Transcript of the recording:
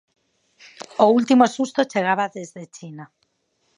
O último susto chegaba desde China.